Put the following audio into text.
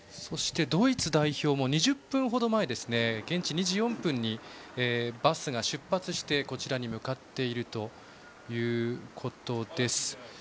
ドイツ代表も２０分程前現地、２時４分にバスが出発してこちらに向かっているということです。